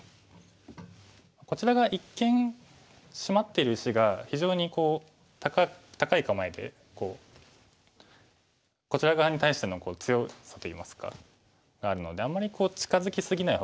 こちらが一間シマってる石が非常にこう高い構えでこちら側に対しての強さといいますかがあるのであんまりこう近づき過ぎない方がいいですね。